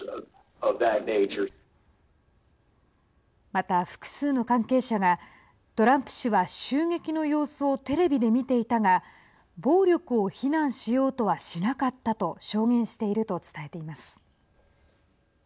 また、複数の関係者がトランプ氏は襲撃の様子をテレビで見ていたが暴力を非難しようとはしなかったと証言していると伝えています。